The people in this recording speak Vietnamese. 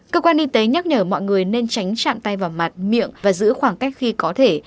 cơ quan y tế nhắc nhở mọi người nên tránh chạm tay vào mặt miệng và giữ khoảng cách khi có thể